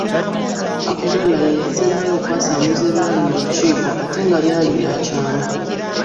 Abdallah yeeyasembayo okwasanguza ebyali mu lukiiko ate nga byali bya kyama.